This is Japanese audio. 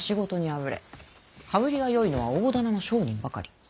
羽振りがよいのは大店の商人ばかり。